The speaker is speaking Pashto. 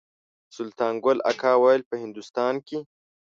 سلطان ګل اکا ویل په هندوستان کې.